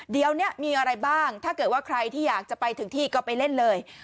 เดี๋ยวนี้มีอะไรบ้างถ้าเกิดว่าใครที่อยากจะไปถึงที่ก็ไปเล่นเลย